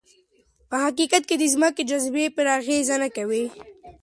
په حقیقت کې د ځمکې جاذبه پرې اغېز نه کوي.